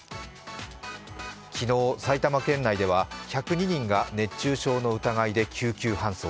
昨日、埼玉県内では１０２人が熱中症の疑いで救急搬送。